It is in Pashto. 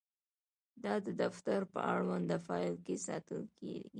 دا د دفتر په اړونده فایل کې ساتل کیږي.